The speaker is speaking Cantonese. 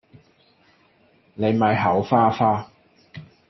你咪口花花